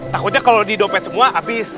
takutnya kalo di dompet semua abis